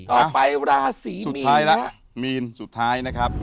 ต่อไปราศอีมีลล่ะ